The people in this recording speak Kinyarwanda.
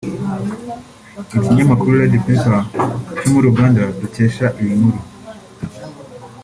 Ikinyamakuru Redpepper cyo muri Uganda dukesha iyi nkuru